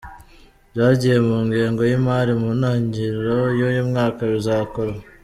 Byagiye mu ngengo y’imari, mu ntangiro y’uyu mwaka bizakorwa.